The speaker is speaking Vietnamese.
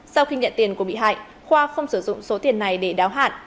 sau khi nhận tiền của bị hại khoa không sử dụng số tiền này để đáo hạn